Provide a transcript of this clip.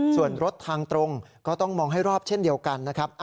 ส่วนรถทางตรงก็ต้องมองให้รอบเช่นเดียวกันนะครับ